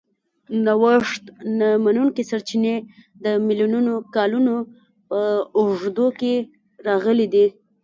نوښت نه منونکي سرچینې د میلیونونو کالونو په اوږدو کې راغلي دي.